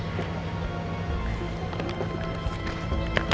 iya aku mau pergi